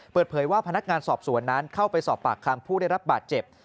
เปิดเผยว่าพนักงานสอบสวนนั้นเข้าไปสอบปากคำผู้ได้รับบาดเจ็บ